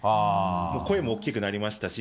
声も大きくなりましたし。